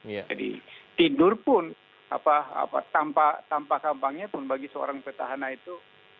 jadi tidur pun tanpa kampangnya pun bagi seorang pertahanan itu